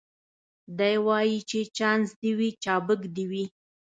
دی وايي چي چانس دي وي چابک دي وي